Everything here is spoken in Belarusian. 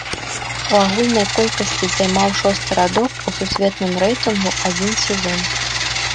У агульнай колькасці займаў шосты радок у сусветным рэйтынгу адзін сезон.